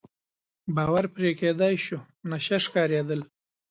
باور پرې کېدای شو، نشه ښکارېدل.